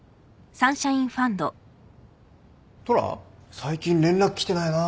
最近連絡来てないなぁ。